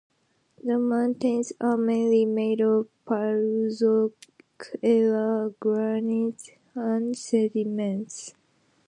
The mountains are mainly made of Paleozoic era granite and sediments.